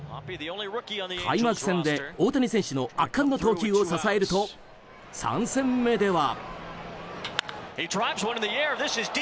開幕戦で大谷選手の圧巻の投球を支えると３戦目では。